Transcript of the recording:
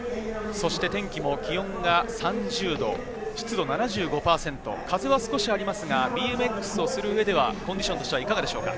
天気も気温が３０度、湿度７５％、風は少しありますが、ＢＭＸをする上ではコンディションとしてはいかがでしょうか？